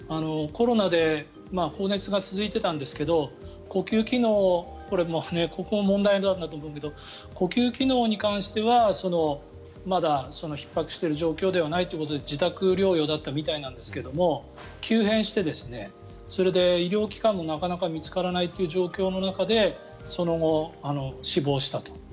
コロナで高熱が続いていたんですけれどもこれもここが問題なんだと思うけど呼吸機能に関してはまだひっ迫している状況ではないということで自宅療養だったみたいなんですが急変して、医療機関もなかなか見つからないという状況の中でその後、死亡したと。